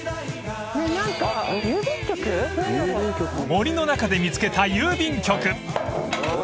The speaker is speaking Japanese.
［森の中で見つけた郵便局］